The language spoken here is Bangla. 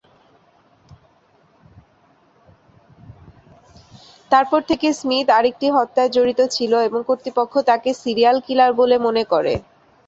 তারপর থেকে, স্মিথ আরেকটি হত্যায় জড়িত ছিল, এবং কর্তৃপক্ষ তাকে সিরিয়াল কিলার বলে মনে করে।